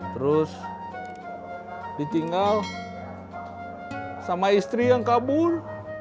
terus ditinggal sama istri yang kabur